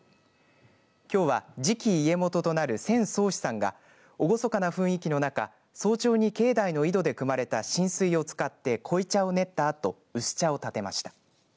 きょうは次期家元となる千宗史さんが厳かな雰囲気の中、早朝に境内の井戸でくまれた神水を使って濃茶を練ったあと薄茶を立てました。